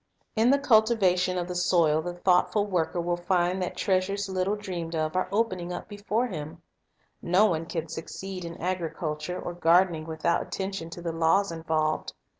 In the cultivation of the soil the thoughtful worker obedience .to Law will find that treasures little dreamed of are opening up before him. No one can succeed in agriculture or gardening without attention to the laws involved.